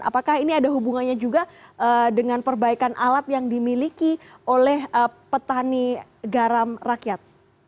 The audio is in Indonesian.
apakah ini ada hubungannya juga dengan perbaikan alat yang dimiliki oleh petani garam rakyat